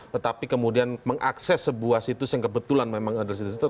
tetapi kemudian mengakses sebuah situs yang kebetulan memang ada situs